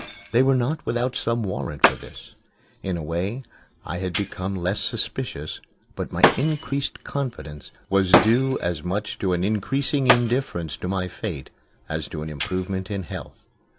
They were not without some warrant for this. In a way I had become less suspicious, but my increased confidence was due as much to an increasing indifference to my fate as to an improvement in health.